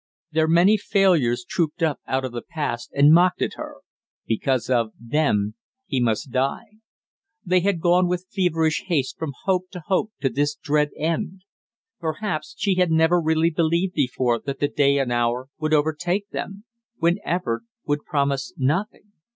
Their many failures trooped up out of the past and mocked at her; because of them he must die. They had gone with feverish haste from hope to hope to this dread end! Perhaps she had never really believed before that the day and hour would overtake them; when effort would promise nothing.